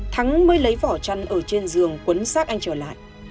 thắng mới lấy vỏ chăn ở trên giường quấn xác anh trờ lại